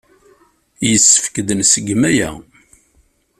Yessefk ad nṣeggem aya.